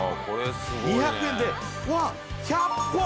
２００円で輪１００本！